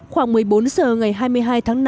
khoảng một mươi bốn h ngày hai mươi hai tháng năm